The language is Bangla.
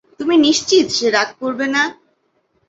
তুমি নিশ্চিত সে রাগ করবে না?